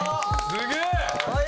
すげえ！